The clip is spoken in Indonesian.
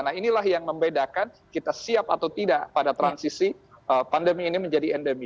nah inilah yang membedakan kita siap atau tidak pada transisi pandemi ini menjadi endemi